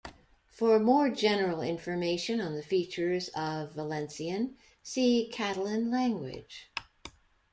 For more general information on the features of Valencian, see Catalan language.